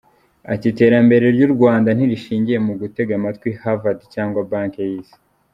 Ati “ Iterambere ry’u Rwanda ntirishingiye mu gutega amatwi Havard cyangwa Banki y’isi.